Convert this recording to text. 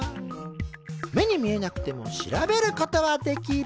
目に見えなくても調べることはできる。